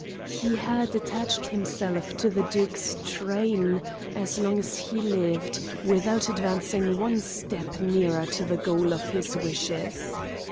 He had attached himself to the duke's train, as long as he lived, without advancing one step nearer to the goal of his wishes.